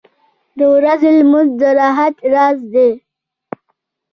• د ورځې لمونځ د راحت راز دی.